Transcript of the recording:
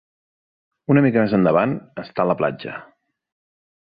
Una mica més endavant està la platja.